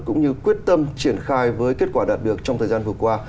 cũng như quyết tâm triển khai với kết quả đạt được trong thời gian vừa qua